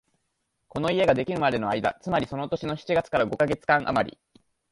この家ができるまでの間、つまりその年の七月から五カ月間あまり、